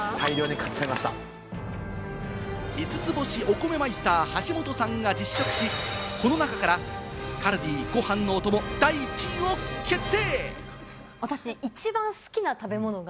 五つ星お米マイスター・橋本さんが実食し、この中からカルディご飯のお供、第１位を決定！